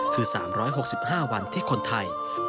คือ๓๖๕วันที่คนไทย